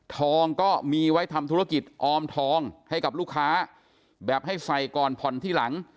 ทองก็มีไว้ทำธุรกิจออมทองให้กับลูกค้าแบบให้ใส่ก่อนผ่อนที่หลัง